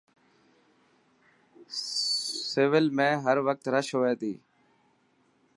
سول ۾ هروقت رش هئي تي.